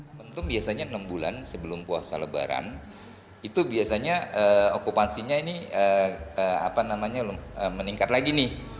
momentum biasanya enam bulan sebelum puasa lebaran itu biasanya okupansinya ini meningkat lagi nih